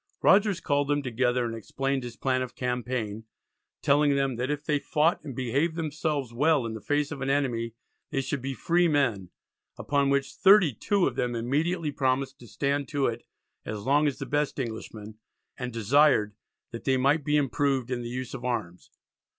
Rogers called them together, and explained his plan of campaign, telling them that if they fought and behaved themselves well in the face of an enemy they should be free men, upon which "32 of them immediately promised to stand to it as long as the best Englishman, and desired they might be improved in the use of arms."